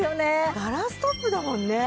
ガラストップだもんね。